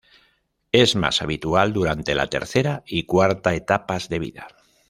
Es más habitual durante la tercera y cuarta etapas de vida.